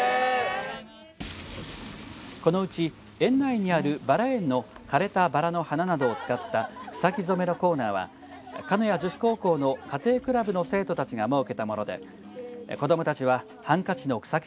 このうち園内にあるバラ園の枯れたバラの花などを使った草木染めのコーナーは鹿屋女子高校の家庭クラブの生徒たちが設けたもので子どもたちはハンカチの草木